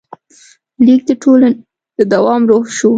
لیک د ټولنې د دوام روح شو.